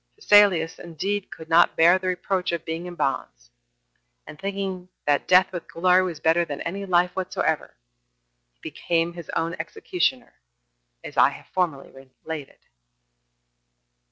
Phasaelus indeed could not bear the reproach of being in bonds; and thinking that death with glory was better than any life whatsoever, he became his own executioner, as I have formerly related.